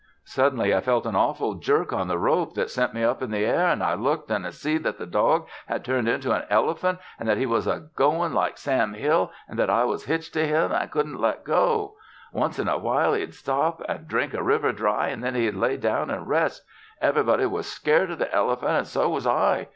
Suddenly I felt an awful jerk on the rope that sent me up in the air an' I looked an' see that the dog had turned into an elephant an' that he was goin' like Sam Hill, an' that I was hitched to him and couldn't let go. Once in a while he'd stop an' drink a river dry an' then he'd lay down an' rest. Everybody was scared o' the elephant an' so was I.